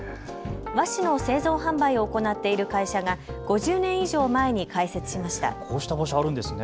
和紙の製造販売を行っている会社が５０年以上前に開設しました。。